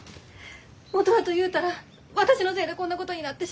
元はと言うたら私のせいでこんなことになってしもうて。